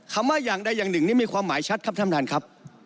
คำว่าอย่างใดอย่างหนึ่งนี่มีความหมายชัดครับท่านประธานครับ